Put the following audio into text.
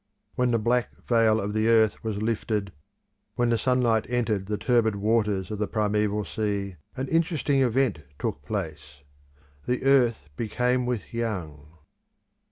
When the black veil of the earth was lifted, when the sunlight entered the turbid waters of the primeval sea, "an interesting event" took place. The earth became with young.